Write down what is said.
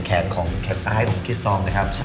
แขนของแขนซ้ายของกิสซองนะครับ